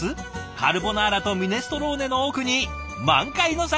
カルボナーラとミネストローネの奥に満開の桜。